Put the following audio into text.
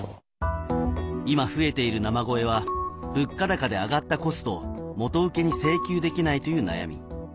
今増えている生声は物価高で上がったコストを元請けに請求できないという悩み。